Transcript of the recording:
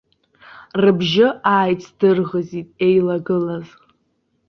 Рыбжьы ааицдырӷызит еилагылаз.